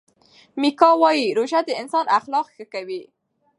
میکا وايي روژه د انسان اخلاق ښه کوي.